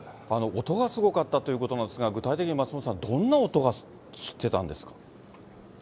音がすごかったということなんですが、具体的に松本さん、どんな音がしてたんですか？